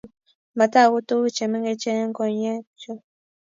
Matagu tuguk chemengechen eng konyekcho